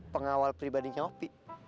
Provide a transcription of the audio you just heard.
pengawal pribadinya opi